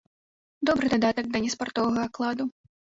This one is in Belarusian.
Добры дадатак да неспартовага акладу.